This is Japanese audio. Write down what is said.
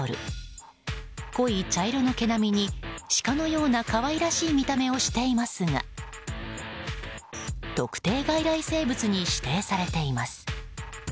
濃い茶色の毛並みにシカのような可愛らしい見た目をしていますが特定外来生物に指定されています。